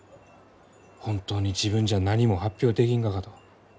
本当に自分じゃ何も発表できんがかと。